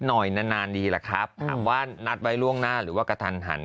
หน่อยนานนานดีแหละครับถามว่านัดไว้ล่วงหน้าหรือว่ากระทันหัน